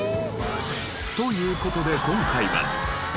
という事で今回は。